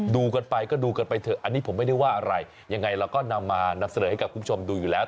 ดูกันไปก็ดูกันไปเถอะอันนี้ผมไม่ได้ว่าอะไรยังไงเราก็นำมานำเสนอให้กับคุณผู้ชมดูอยู่แล้ว